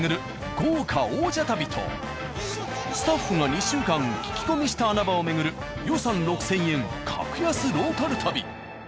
豪華王者旅とスタッフが２週間聞き込みした穴場を巡る予算６，０００円格安ローカル旅。